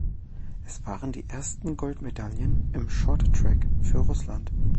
Es waren die ersten Goldmedaillen im Shorttrack für Russland.